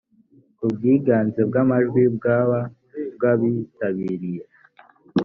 ku bwiganze bw amajwi bwa bw abitabiriye